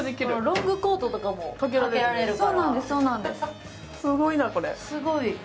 ロングコートとかもかけられるから。